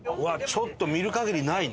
ちょっと見る限りないな。